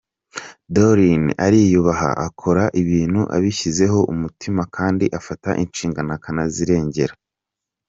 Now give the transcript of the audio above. Doreen ariyubaha, akora ibintu abishyizeho umutima kandi afata inshingano akanazirengera.